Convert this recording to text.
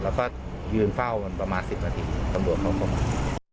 แล้วก็ยืนเฝ้ามันประมาณ๑๐นาทีตำรวจเขาก็มา